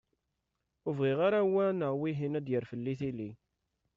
Ur bɣiɣ ara wa neɣ wihin ad d-yerr fell-i tili.